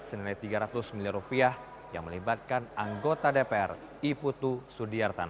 senilai tiga ratus miliar rupiah yang melibatkan anggota dpr iputu sudiartan